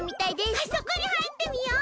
あそこにはいってみよう！